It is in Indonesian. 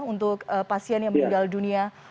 untuk pasien yang meninggal dunia